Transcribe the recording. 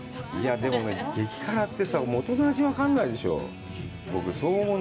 でもね、激辛ってさ、もとの味が分からないでしょう？